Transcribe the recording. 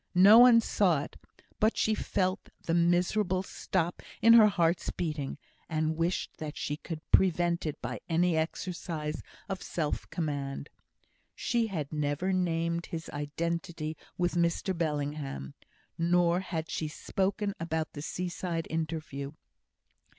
No one saw it; but she felt the miserable stop in her heart's beating, and wished that she could prevent it by any exercise of self command. She had never named his identity with Mr Bellingham, nor had she spoken about the seaside interview.